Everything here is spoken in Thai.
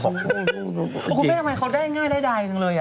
คุณแม่ทำไมเขาได้ง่ายได้ใดจังเลย